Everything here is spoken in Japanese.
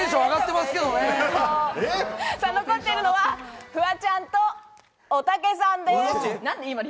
残っているのは、フワちゃんと、おたけさんです。